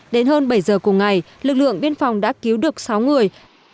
đến hơn bảy giờ cùng ngày lực lượng biên phòng đã cứu được sáu người